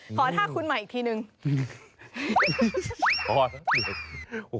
ท่าคุณใหม่อีกทีนึง